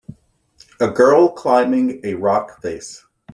A girl climbing a rock face.